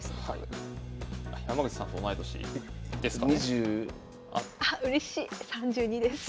山口さんと同い年ですかね。